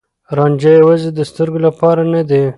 رانجه يوازې د سترګو لپاره نه دی.